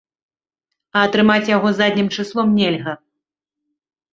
А атрымаць яго заднім чыслом нельга.